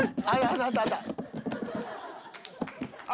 あ！